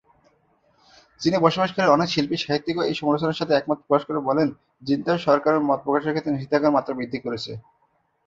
চীনে বসবাসকারী অনেক শিল্পী-সাহিত্যিকও এই সমালোচনার সাথে একমত প্রকাশ করে বলেন, জিনতাও সরকার মত প্রকাশের ক্ষেত্রে নিষেধাজ্ঞার মাত্রা বৃদ্ধি করেছে।